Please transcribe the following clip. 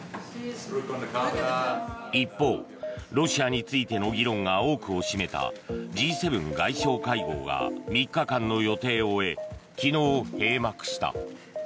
一方、ロシアについての議論が多くを占めたＧ７外相会合が３日間の予定を終え昨日、閉幕した。